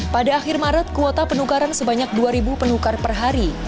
pada akhir maret kuota penukaran sebanyak dua penukar per hari